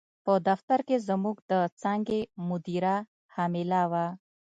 په دفتر کې زموږ د څانګې مدیره حامله وه.